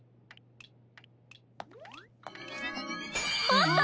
あった！